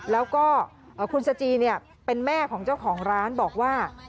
แล้วก็คุณสจีเป็นแม่ของเจ้าของร้านบอกว่า